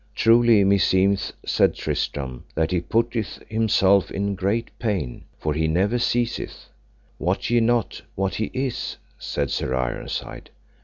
Truly, meseemeth, said Tristram, that he putteth himself in great pain, for he never ceaseth. Wot ye not what he is? said Sir Ironside.